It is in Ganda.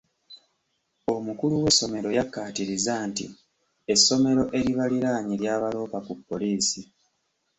Omukulu w'essomero yakkaatiriza nti essomero eribaliraanye ly'abaloopa ku poliisi.